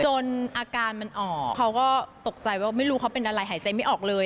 อาการมันออกเขาก็ตกใจว่าไม่รู้เขาเป็นอะไรหายใจไม่ออกเลย